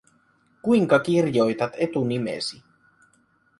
Kuinka kirjoitat etunimesi?